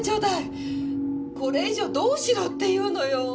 これ以上どうしろっていうのよ？